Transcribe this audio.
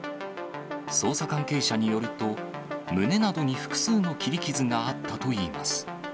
捜査関係者によると、胸などに複数の切り傷があったといいます。